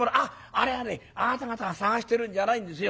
あれはねあなた方捜してるんじゃないんですよ。